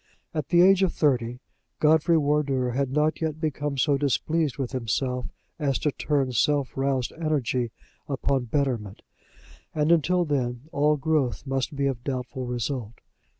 At the age of thirty, Godfrey Wardour had not yet become so displeased with himself as to turn self roused energy upon betterment; and until then all growth must be of doubtful result.